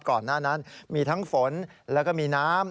ก่อนหน้านั้นมีทั้งฝนแล้วก็มีน้ำ